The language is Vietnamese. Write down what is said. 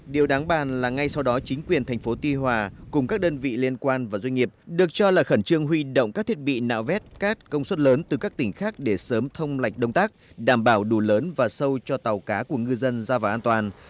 điều đáng bàn là ngay sau đó chính quyền thành phố tuy hòa cùng các đơn vị liên quan và doanh nghiệp được cho là khẩn trương huy động các thiết bị nạo vét cát công suất lớn từ các tỉnh khác để sớm thông lạch đông tác đảm bảo đủ lớn và sâu cho tàu cá của ngư dân ra vào an toàn